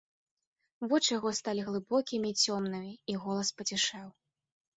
Вочы яго сталі глыбокімі і цёмнымі, і голас пацішэў.